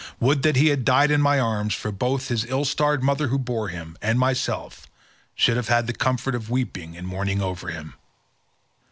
Would that he had died in my arms, for so both his ill starred mother who bore him, and myself, should have had the comfort of weeping and mourning over him."